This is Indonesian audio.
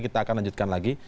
kita akan lanjutkan lagi